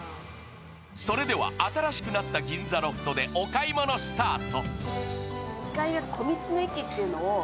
それでは新しくなった銀座ロフトでお買い物スタート。